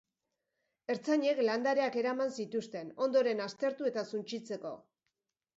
Ertzainek landareak eraman zituzten, ondoren aztertu eta suntsitzeko.